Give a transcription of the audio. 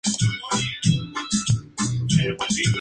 Concepción del Oro-Apizolaya.